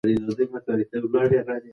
هغه په لاره کې له ټولو پناه شو.